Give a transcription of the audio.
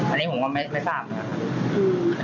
อันนี้ผมก็ไม่ทราบนะครับ